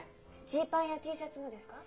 ジーパンやＴシャツもですか？